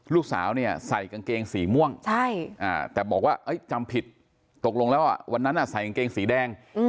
ลูกสาวใส่กางเกงสีม่วงแต่บอกว่าตกลงวันนั้นใส่กางเกงสีแดง